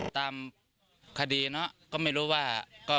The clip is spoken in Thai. ตามคดีเนอะก็ไม่รู้ว่า